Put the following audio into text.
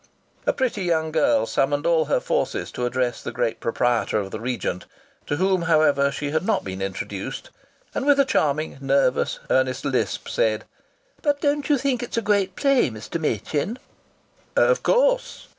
A pretty young girl summoned all her forces to address the great proprietor of the Regent, to whom, however, she had not been introduced, and with a charming nervous earnest lisp said: "But don't you think it's a great play, Mr. Machin?" "Of course!"